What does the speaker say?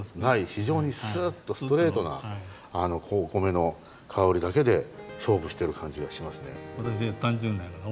非常にすっとストレートな米の香りだけで勝負してる感じがしますね。